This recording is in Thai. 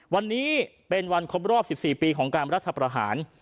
วันนี้เป็นวันครบรอบ๑๔ปีของการรัฐประหาร